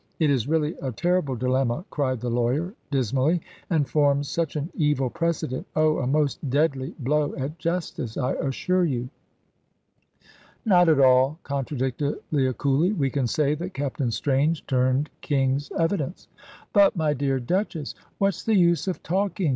It is really a terrible dilemma," cried the lawyer, dismally, "and forms such an evil precedent oh, a most deadly blow at justice, I assure you." "Not at all," contradicted Leah, coolly; "we can say that Captain Strange turned King's evidence." "But, my dear Duchess" "What's the use of talking?"